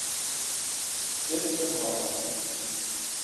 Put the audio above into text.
Dit is in hoppe.